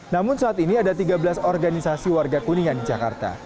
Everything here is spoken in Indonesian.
namun saat ini ada tiga belas organisasi warga kuningan di jakarta